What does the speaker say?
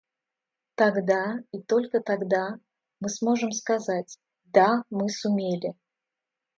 Тогда, и только тогда, мы сможем сказать «Да, мы сумели!».